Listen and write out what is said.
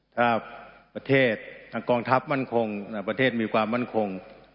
ถ้าประเทศกองทัพมั่นคงประเทศมีความมั่นคง